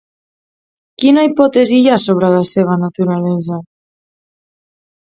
Quina hipòtesi hi ha sobre la seva naturalesa?